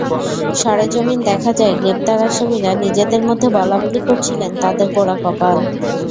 সরেজমিন দেখা যায়, গ্রেপ্তার আসামিরা নিজেদের মধ্যে বলাবলি করছিলেন, তাঁদের পোড়া কোপাল।